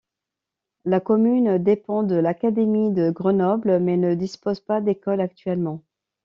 La commune dépend de l'académie de Grenoble, mais ne dispose pas d'école actuellement.